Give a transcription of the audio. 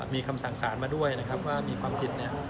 มีคำสั่งสารมาด้วยนะครับว่ามีความผิดเนี่ย